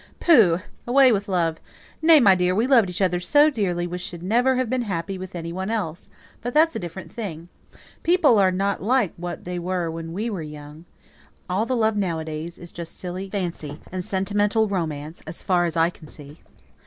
"Pooh! away with love! Nay, my dear, we loved each other so dearly we should never have been happy with any one else; but that's a different thing. People aren't like what they were when we were young. All the love nowadays is just silly fancy, and sentimental romance, as far as I can see."